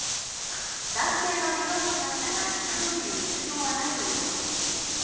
男性は怪我をしましたが命に別条はないということです。